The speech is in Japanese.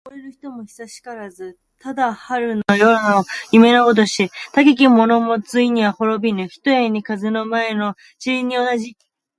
おごれる人も久しからず。ただ春の夜の夢のごとし。たけき者もついには滅びぬ、ひとえに風の前の塵に同じ。